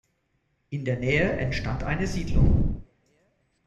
In der Nähe entstand eine Siedlung.